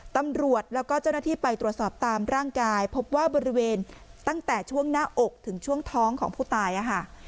ตำรวจแล้วก็เจ้าหน้าที่ไปตรวจสอบตามร่างกายพบว่าบริเวณตั้งแต่ช่วงหน้าอกถึงช่วงท้องของผู้ตายค่ะ